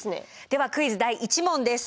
ではクイズ第１問です。